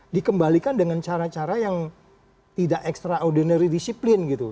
dikembalikan dengan cara cara yang tidak extraordinary disiplin gitu